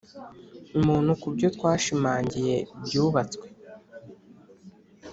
umuntu kubyo twashimangiye byubatswe,